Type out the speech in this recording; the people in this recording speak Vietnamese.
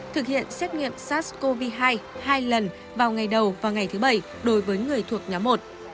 thực hiện xét nghiệm sars cov hai hai lần vào ngày đầu và ngày thứ bảy đối với người thuộc nhóm một